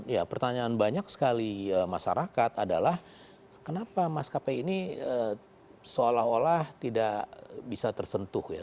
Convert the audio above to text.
ya pertanyaan banyak sekali masyarakat adalah kenapa mas kp ini seolah olah tidak bisa tersentuh ya